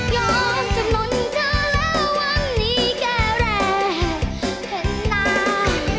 ยอมจำนวนเธอแล้ววันนี้แค่แรงเห็นหน้า